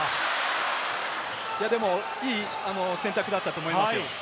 いい選択だったと思いますよ。